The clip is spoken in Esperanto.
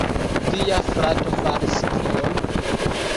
"Via frato faris kion?"